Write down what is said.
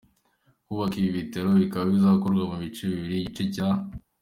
Kubaka ibi bitaro bikaba bizakorwa mu bice bibiri, igice cya